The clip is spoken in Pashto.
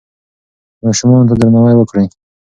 ماشومانو ته درناوی وکړئ.